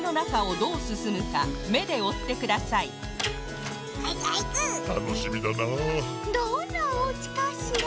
どんなおうちかしら？